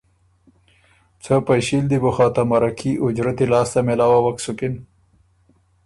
څه پئݭي ل دی بو خه ته مرکي اُجرتی لاسته مېلاووک سُکِن